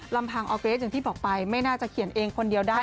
ลำพังออร์เกรสอย่างที่บอกไปไม่น่าจะเขียนเองคนเดียวได้